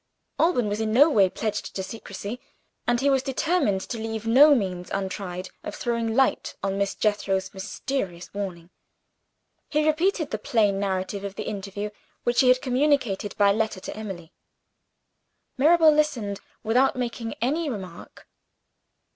Alban was in no way pledged to secrecy, and he was determined to leave no means untried of throwing light on Miss Jethro's mysterious warning. He repeated the plain narrative of the interview, which he had communicated by letter to Emily. Mirabel listened without making any remark.